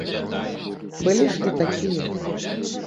Былі ж і такія.